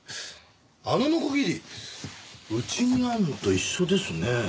あのノコギリうちにあるのと一緒ですねえ。